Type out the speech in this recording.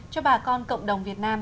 cho bà con cộng đồng việt nam